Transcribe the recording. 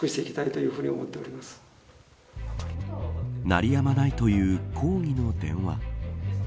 鳴りやまないという抗議の電話。